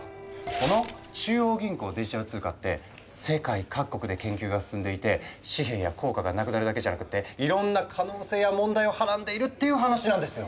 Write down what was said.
この中央銀行デジタル通貨って世界各国で研究が進んでいて紙幣や硬貨がなくなるだけじゃなくっていろんな可能性や問題をはらんでいるっていう話なんですよ。